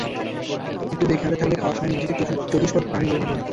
একটু বেখেয়াল থাকলে খাওয়ার সময় নিজেকে চতুষ্পদ প্রাণী বলে মনে হয়।